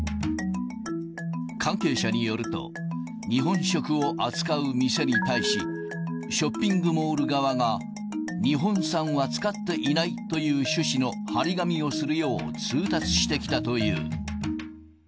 関係者によると、日本食を扱う店に対し、ショッピングモール側が、日本産は使っていないという趣旨の貼り紙をするよう通達してきたという。